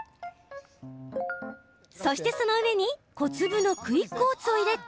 そして、その上に小粒のクイックオーツを入れた。